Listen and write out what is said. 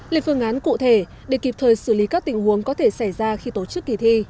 lên phương án cụ thể để kịp thời xử lý các tình huống có thể xảy ra khi tổ chức kỳ thi